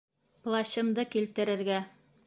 Плащымды килтерергә.